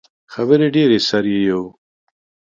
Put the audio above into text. خبرې ډیرې، سر یی یو